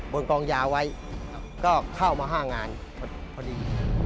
กองยาไว้ก็เข้ามา๕งานพอดี